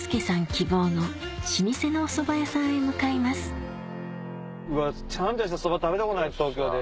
希望の老舗のお蕎麦屋さんへ向かいますちゃんとした蕎麦食べたことない東京で。